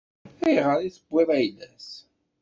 Ayɣer i tewwiḍ ayla-s?